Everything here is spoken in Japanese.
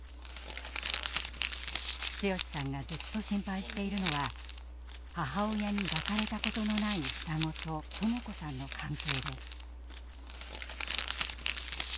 剛さんがずっと心配しているのは母親に抱かれたことのない双子と智子さんの関係です。